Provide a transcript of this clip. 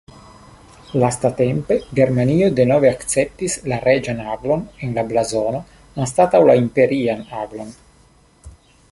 Lastatempe Germanio denove akceptis la reĝan aglon en la blazono anstataŭ la imperian aglon.